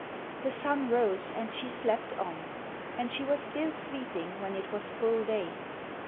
The sun rose, and she slept on, and she was still sleeping when it was full day.